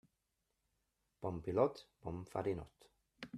Bon pilot, bon farinot.